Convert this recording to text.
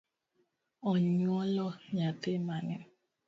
Onyuolo nyathi mane?